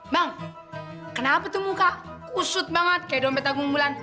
bang kenapa tuh muka kusut banget kayak dompeta kumulan